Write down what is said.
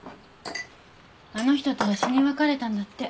あの人とは死に別れたんだって。